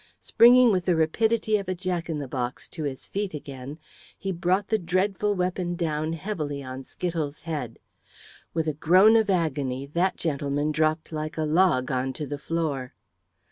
Springing with the rapidity of a jack in the box, to his feet again, he brought the dreadful weapon down heavily on Skittles' head. With a groan of agony, that gentleman dropped like a log on to the floor.